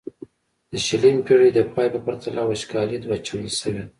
د شلمې پیړۍ د پای په پرتله وچکالي دوه چنده شوې ده.